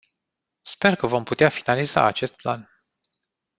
Sper că vom putea finaliza acest plan.